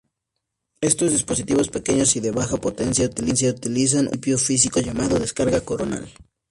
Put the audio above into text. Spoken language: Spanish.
Estos dispositivos pequeños y de baja potencia utilizan un principio físico llamado "descarga coronal".